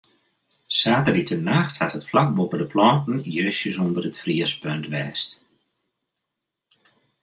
Saterdeitenacht hat it flak boppe de planten justjes ûnder it friespunt west.